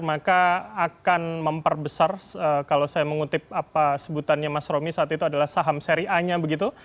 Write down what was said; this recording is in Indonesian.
maka akan memperbesar kalau saya mengutip apa sebutannya mas romi saat itu adalah saham seri a nya begitu